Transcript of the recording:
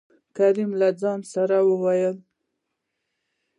کريم : له ځان سره يې ووېل: